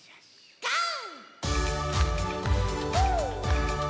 ゴー！